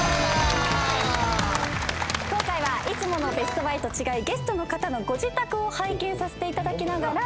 今回はいつものベストバイと違いゲストの方のご自宅を拝見させていただきながら。